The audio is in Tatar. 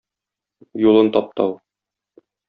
Юлын таптау.